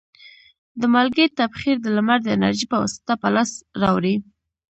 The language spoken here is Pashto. د مالګې تبخیر د لمر د انرژي په واسطه په لاس راوړي.